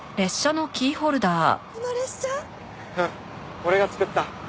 俺が作った。